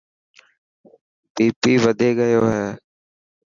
بي پي وڌي گيو هي.